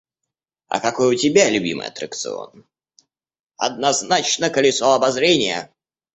«А какой у тебя любимый аттракцион?» — «Одназначно колесо обозрения!»